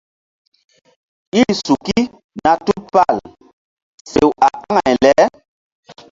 Iri suki na tupal sew a aŋay le.